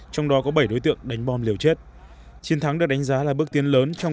trong đó có bảy đối tượng đánh bom liều chết chiến thắng được đánh giá là bước tiến lớn trong